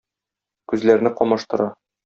Күзләрне камаштыра.